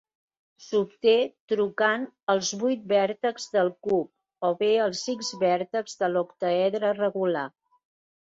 S'obté truncant els vuit vèrtexs del cub, o bé els sis vèrtexs de l'octàedre regular.